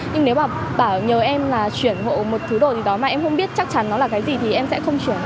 nhưng nếu mà bảo nhờ em là chuyển hộ một thứ đồ gì đó mà em không biết chắc chắn nó là cái gì thì em sẽ không chuyển